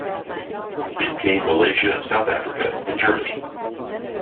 Then came Malaysia, South Africa and Germany.